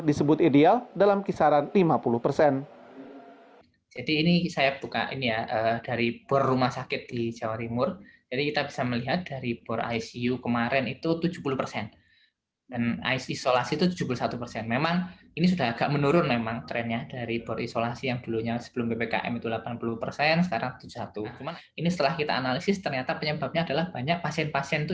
disebut ideal dalam kisaran lima puluh persen